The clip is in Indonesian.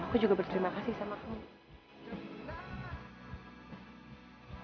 aku juga berterima kasih sama kamu